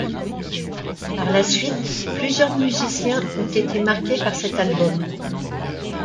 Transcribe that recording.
Par la suite, plusieurs musiciens ont été marqués par cet album.